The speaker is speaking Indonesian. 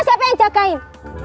siapa yang jagain